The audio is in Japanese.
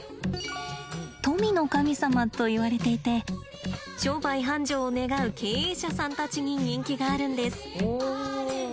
富の神様といわれていて商売繁盛を願う経営者さんたちに人気があるんです。